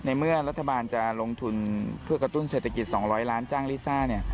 เมื่อรัฐบาลจะลงทุนเพื่อกระตุ้นเศรษฐกิจ๒๐๐ล้านจ้างลิซ่าเนี่ย